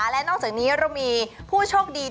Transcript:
และนอกจากนี้เรามีผู้โชคดี